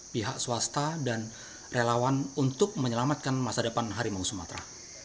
pihak swasta dan relawan untuk menyelamatkan masa depan harimau sumatera